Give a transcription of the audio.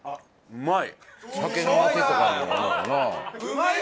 うまい